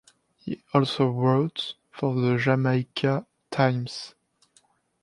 He also wrote for the "Jamaica Times".